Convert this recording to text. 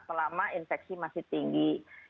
selama infeksi masih tinggi